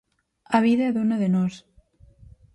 A vida é dona de nós.